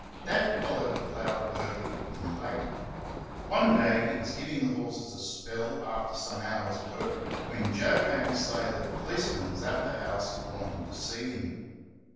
Dad followed the plough early and late. One day he was giving the horses a spell after some hours' work, when Joe came to say that a policeman was at the house wanting to see him.